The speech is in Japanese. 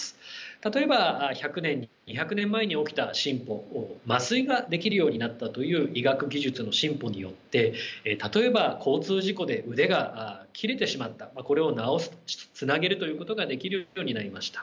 例えば１００年２００年前に起きた進歩麻酔ができるようになったという医学技術の進歩によって例えば交通事故で腕が切れてしまったこれを治すつなげるということができるようになりました。